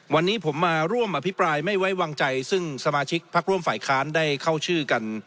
วันนี้ผมมาร่วมอภิปรายไม่ไว้วางใจซึ่งสมาชิกพักร่วมฝ่ายค้านได้เข้าชื่อกัน